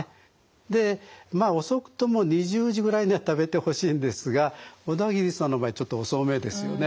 でまあ遅くとも２０時ぐらいには食べてほしいんですが小田切さんの場合ちょっと遅めですよね。